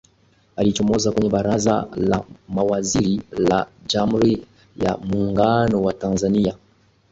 Alichomoza kwenye baraza la Mawaziri la Jamhuri ya Muungano wa Tanzania